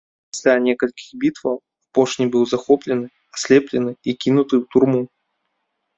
Пасля некалькіх бітваў апошні быў захоплены, аслеплены і кінуты ў турму.